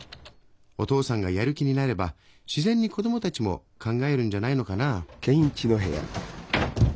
お父さんがやる気になれば自然に子供たちも考えるんじゃないのかな」。